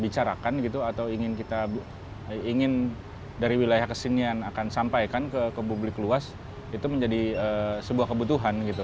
mereka juga mengatakan bahwa ini adalah satu tahun yang paling penting kita ingin bicarakan gitu atau ingin kita ingin dari wilayah kesini yang akan sampaikan ke publik luas itu menjadi sebuah kebutuhan gitu